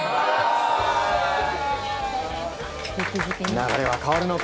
流れは変わるのか。